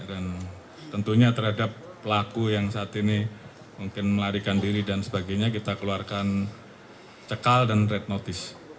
dan tentunya terhadap pelaku yang saat ini mungkin melarikan diri dan sebagainya kita keluarkan cekal dan red notice